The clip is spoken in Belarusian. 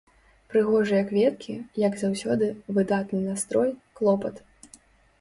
Прыгожыя кветкі, як заўсёды, выдатны настрой, клопат.